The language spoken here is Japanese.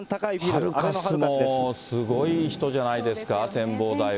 ハルカスもすごい人じゃないですかね。